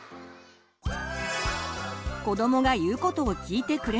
子どもが言うことを聞いてくれない！